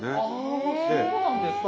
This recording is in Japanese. あそうなんですか。